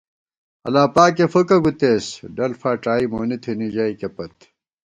اللہ پاکےفُکہ گُتېس، ڈل فاڄائی مونی تھنی ژئیکےپت